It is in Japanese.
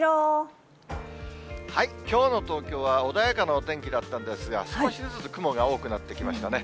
きょうの東京は穏やかなお天気だったんですが、少しずつ雲が多くなってきましたね。